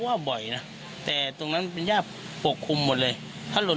ว่าบ่อยนะแต่ตรงนั้นเป็นย่าปกคลุมหมดเลยถ้าหล่น